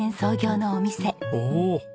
おお。